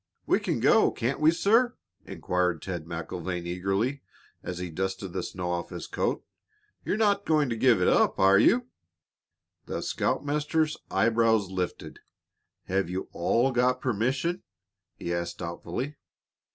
"We can go, can't we, sir?" inquired Ted MacIlvaine, eagerly, as he dusted the snow off his coat. "You're not going to give it up, are you?" The scoutmaster's eyebrows lifted. "Have you all got permission?" he asked doubtfully.